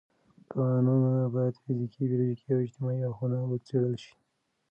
کانونه باید فزیکي، بیولوژیکي او اجتماعي اړخونه وڅېړل شي.